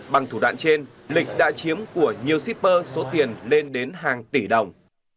bằng thủ đoạn trên lịch đã chiếm của nhiều shipper số tiền lên đến hàng tỷ đồng